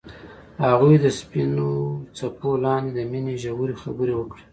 هغوی د سپین څپو لاندې د مینې ژورې خبرې وکړې.